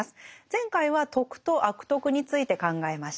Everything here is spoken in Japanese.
前回は「徳」と「悪徳」について考えました。